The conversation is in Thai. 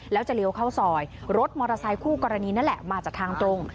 แล้วจะเลี้ยวเข้าซอยรถมอเตอร์ไซคู่กรณีนั่นแหละมาจากทางตรง